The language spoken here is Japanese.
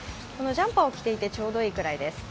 ジャンパーを着ていてちょうどいいくらいです。